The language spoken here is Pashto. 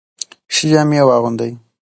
ښه جامې واغوندئ.